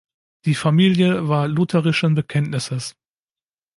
Die Familie war lutherischen Bekenntnisses.